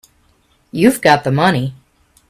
You've got the money.